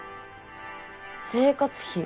生活費。